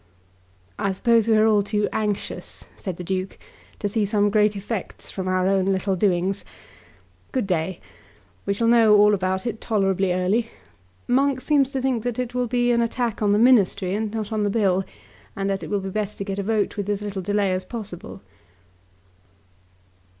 "I suppose we are all too anxious," said the Duke, "to see some great effects come from our own little doings. Good day. We shall know all about it tolerably early. Monk seems to think that it will be an attack on the Ministry and not on the Bill, and that it will be best to get a vote with as little delay as possible."